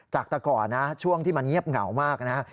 จากแต่ก่อนนะช่วงที่มันเงียบเหงามากนะฮะ